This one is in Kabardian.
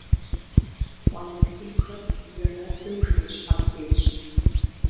Къуалэбзухэр бзэрабзэу жыгыщхьэм тесщ.